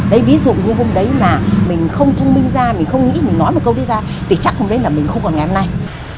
đấy ví dụ như hôm đấy mà mình không thông minh ra mình không nghĩ mình nói một câu đi ra thì chắc hôm đấy là mình không còn ngày hôm nay